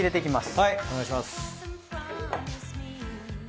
はいお願いします。